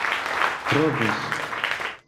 trovus